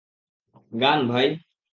গান, ভাই?